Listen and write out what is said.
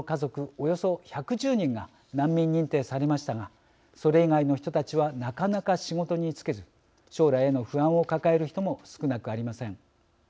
およそ１１０人が難民認定されましたがそれ以外の人たちはなかなか仕事に就けず将来への不安を抱える人も少なくありません。